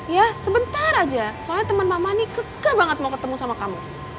ya sebentar aja soalnya teman mama ini keke banget mau ketemu sama kamu